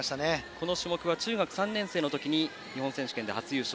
この種目は中学３年生の時日本選手権で初優勝。